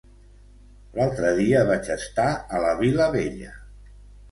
L'altre dia vaig estar a la Vilavella.